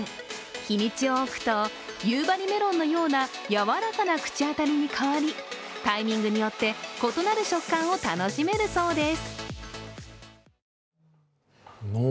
日にちを置くと夕張メロンのようなやわらかな口当たりに変わりタイミングによって異なる食感を楽しめるそうです。